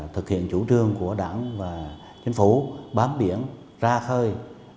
thực hiện chủ trương của đảng và chính phủ bám biển ra khơi